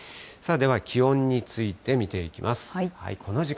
では気温について見ていきます。